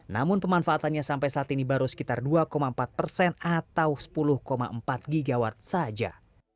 namun pemanfaatannya sampai saat ini baru sekitar dua empat persen atau sepuluh empat gigawatt saja